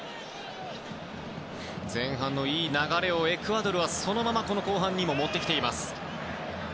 前半のいい流れをエクアドルはそのままこの後半にも持ってきています。